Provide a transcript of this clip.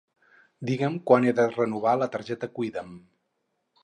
Digue'm quan he de renovar la targeta Cuida'm.